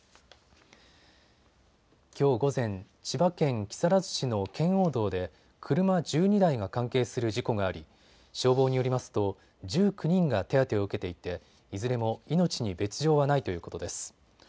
きょう午前、千葉県木更津市の圏央道で車１２台が関係する事故があり、消防によりますと１９人が手当てを受けていていずれも命に別状はないということです。